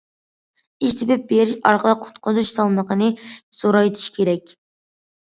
ئىش تېپىپ بېرىش ئارقىلىق قۇتقۇزۇش سالمىقىنى زورايتىش كېرەك.